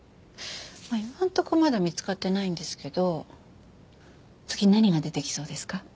まあ今のところまだ見つかってないんですけど次何が出てきそうですか？